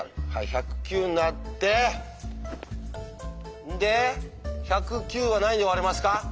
１０９になってで１０９は何で割れますか？